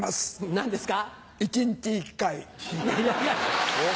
何ですか？